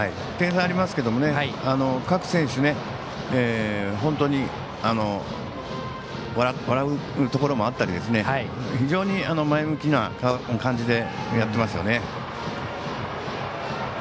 点差ありますけど、各選手本当に笑うところもあったり非常に前向きな感じでやってますよね。